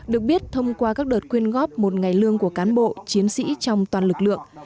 được biết thông qua các đợt quyên góp một ngày lương của cán bộ chiến sĩ trong toàn lực lượng